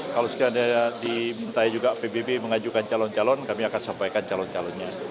kalau sekian ada di mentahnya juga pbb mengajukan calon calon kami akan sampaikan calon calonnya